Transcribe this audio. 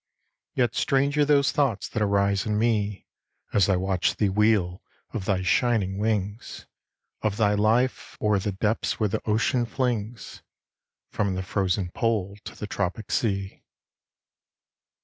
Yet stranger those thoughts that arise in me, As I watch thee wheel of thy shining wings, Of thy life o'er the depths where the ocean flings From the frozen Pole to the Tropic sea.